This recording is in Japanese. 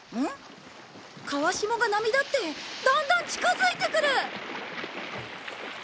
川下が波立ってだんだん近づいてくる！